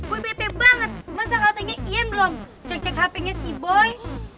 gue bete banget masa gak nanya ian belum cek cek hp nya si boy